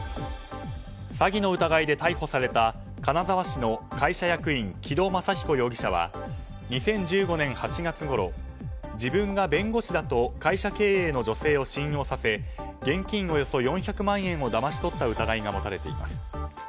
詐欺の疑いで逮捕された金沢市の会社役員貴戸雅彦容疑者は２０１５年８月ごろ自分が弁護士だと会社経営の女性を信用させ現金およそ４００万円をだまし取った疑いが持たれています。